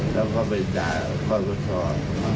เราก็ไปจ่ายความประชา